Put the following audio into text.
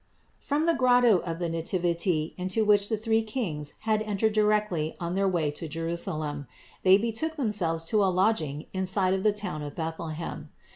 565. From the grotto of the Nativity, into which the three Kings had entered directly on their way to Jerusa lem, they betook themselves to a lodging inside of the town of Bethlehem.